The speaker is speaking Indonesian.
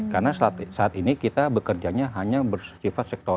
karena saat ini kita bekerjanya hanya bersifat sektoran